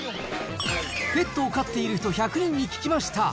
ペットを飼っている人１００人に聞きました。